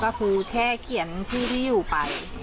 ก็คือแค่เขียนที่ที่อยู่ไป